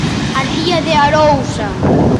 A ría de Arousa.